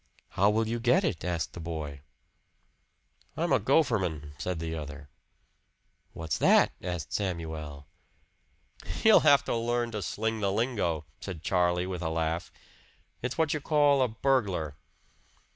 "How will you get it?" asked the boy. "I'm a gopherman," said the other. "What's that?" asked Samuel. "You'll have to learn to sling the lingo," said Charlie with a laugh. "It's what you call a burglar."